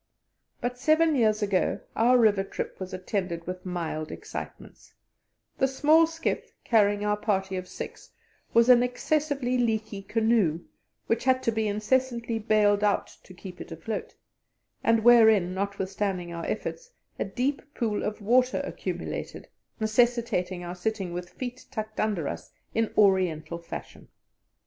But seven years ago our river trip was attended with mild excitements; the small skiff, carrying our party of six, was an excessively leaky canoe, which had to be incessantly baled out to keep it afloat, and wherein, notwithstanding our efforts, a deep pool of water accumulated, necessitating our sitting with feet tucked under us in Oriental fashion.